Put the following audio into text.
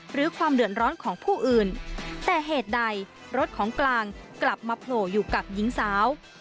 หรือความเดือดร้อนของผู้อื่นแต่เหตุใดรถของกลางกลับมาโผล่อยู่กับหญิงสาว